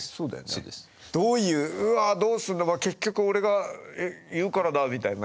どういううわどうすんのか結局俺がいるからだみたいな。